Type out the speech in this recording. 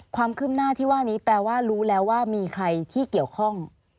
ความคืบหน้าที่ว่านี้แปลว่ารู้แล้วว่ามีใครที่เกี่ยวข้อง